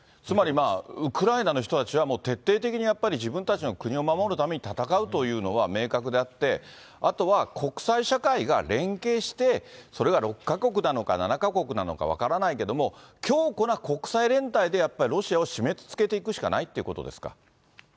つまり、ウクライナの人たちはもう、徹底的にやっぱり自分たちの国を守るために戦うというのは明確であって、あとは、国際社会が連携して、それが６か国なのか７か国なのか分からないけれども、強固な国際連帯で、やっぱりロシアを締めつけていくしかないってことですか。